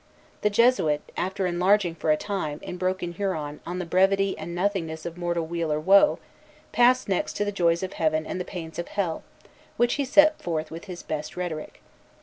The Jesuit, after enlarging for a time, in broken Huron, on the brevity and nothingness of mortal weal or woe, passed next to the joys of Heaven and the pains of Hell, which he set forth with his best rhetoric.